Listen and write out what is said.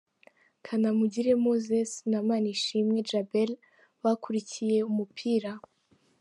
Kanamugire Moses na Manishimwe Djabel bakurikiye umupira.